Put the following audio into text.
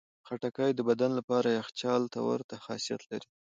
خټکی د بدن لپاره یخچال ته ورته خاصیت لري.